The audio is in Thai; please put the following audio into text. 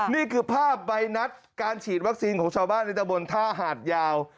นี่คือภาพใบนัดการฉีดวัคซีนของชาวบ้านในตะบนท่าหาดยาว